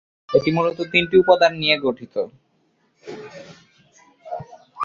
এটি মূলত তিনটি উপাদান নিয়ে গঠিত।